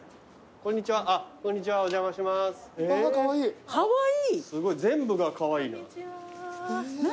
こんにちは。何？